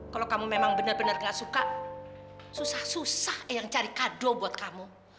kalau kamu memang benar benar gak suka susah susah yang cari kado buat kamu